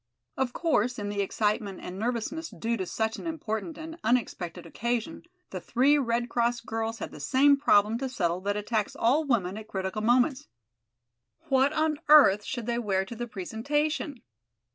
Of course, in the excitement and nervousness due to such an important and unexpected occasion, the three Red Cross girls had the same problem to settle that attacks all women at critical moments: "What on earth should they wear to the presentation?"